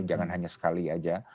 jangan hanya sekali aja